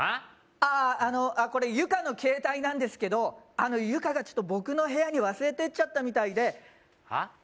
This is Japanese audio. あああのこれユカの携帯なんですけどユカが僕の部屋に忘れてっちゃったみたいではっ？